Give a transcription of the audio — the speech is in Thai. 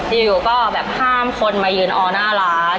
อยู่ก็แบบห้ามคนมายืนออหน้าร้าน